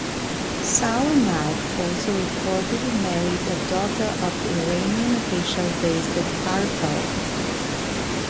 Saurmag also reportedly married a daughter of the Iranian official based at Partaw.